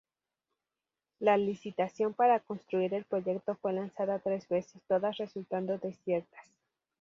La licitación para construir el proyecto fue lanzada tres veces, todas resultando desiertas.